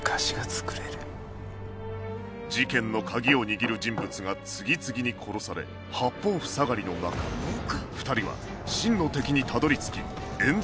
事件の鍵を握る人物が次々に殺され八方塞がりの中２人は真の敵にたどり着き冤罪を晴らす事ができるのか？